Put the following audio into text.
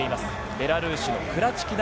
ベラルーシの２７歳、クラチキナ。